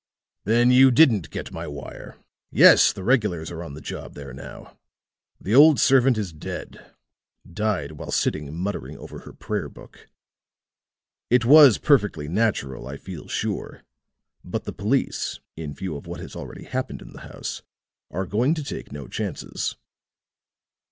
"Then you didn't get my wire. Yes, the regulars are on the job there now. The old servant is dead died while sitting muttering over her prayer book. It was perfectly natural, I feel sure, but the police, in view of what has already happened in the house, are going to take no chances."